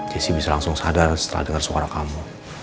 jessy bisa langsung sadar setelah denger suara kamu